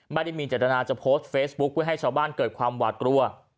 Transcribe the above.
ไม่ได้มีเจตนาจะโพสต์เฟซบุ๊คเพื่อให้ชาวบ้านเกิดความหวาดกลัว